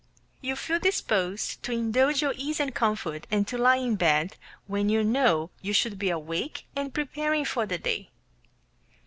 You feel disposed to indulge your ease and comfort, and to lie in bed when you know you should be awake and preparing for the day.